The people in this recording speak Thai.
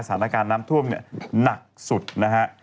สถานการณ์น้ำท่วมเนี่ยหนักสุดนะฮะ